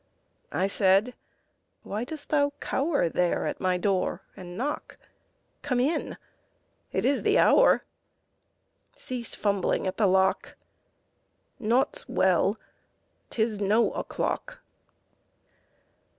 I said, _Why dost thou cower There at my door and knock? Come in! It is the hour! Cease fumbling at the lock! Naught's well! 'Tis no o'clock!